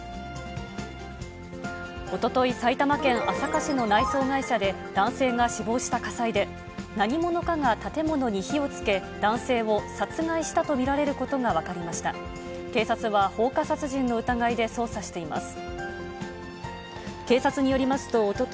おととい、埼玉県朝霞市の内装会社で、男性が死亡した火災で、何者かが建物に火をつけ、男性を殺害したと見られることが分かりました。